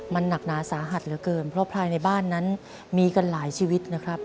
มันหนักหนาสาหัสเหลือเกินเพราะภายในบ้านนั้นมีกันหลายชีวิตนะครับ